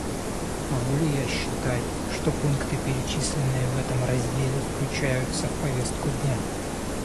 Могу ли я считать, что пункты, перечисленные в этом разделе, включаются в повестку дня?